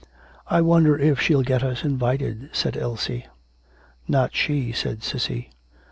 'I wonder if she'll get us invited,' said Elsie. 'Not she,' said Cissy.